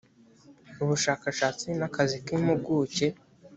ubushakashatsi n akazi k impuguke